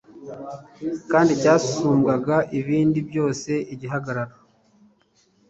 kandi cyasumbyaga ibindi byose igihagararo